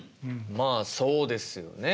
まあそうですよね。